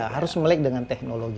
harus melek dengan teknologi